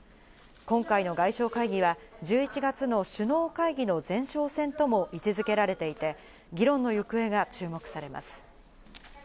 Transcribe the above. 今回の外相会議は１１月の首脳会議の前哨戦とも位置付けられていて、議論の行方が注目されます。